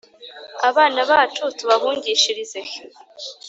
“Abana bacu tubahungishirize he?